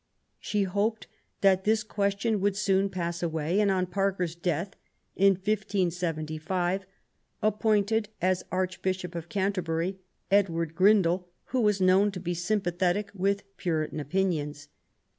She hoped that this question would soon pass away, and, on Parker's death, in 1575, appointed as Archbishop of Canter bury, Edward Grindal, who was known to be sympathetic with Puritan opinions.